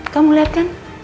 kamu liat kan